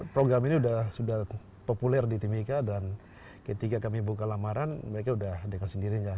program ini sudah populer di timika dan ketika kami buka lamaran mereka sudah dengan sendirinya